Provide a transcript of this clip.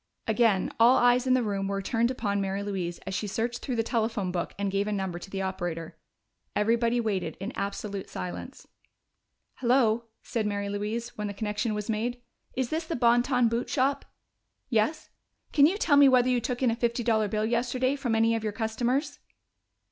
Again all eyes in the room were turned upon Mary Louise as she searched through the telephone book and gave a number to the operator. Everybody waited, in absolute silence. "Hello," said Mary Louise when the connection was made. "Is this the Bon Ton Boot Shop? Yes? Can you tell me whether you took in a fifty dollar bill yesterday from any of your customers?"